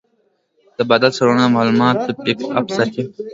د بادل سرورونه د معلوماتو بیک اپ ساتي.